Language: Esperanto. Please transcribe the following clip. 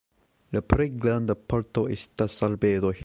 La plej granda parto estas arbedoj.